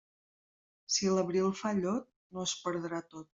Si l'abril fa llot, no es perdrà tot.